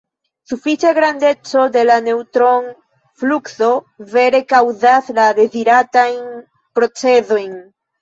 Sufiĉa grandeco de la neŭtron-flukso vere kaŭzas la deziratajn procezojn.